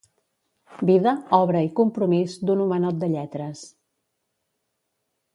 Vida, obra i compromís d'un homenot de lletres'